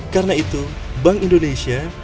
karena itu bank indonesia